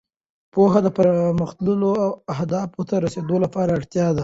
پوهه د پرمختللو اهدافو ته رسېدو لپاره اړتیا ده.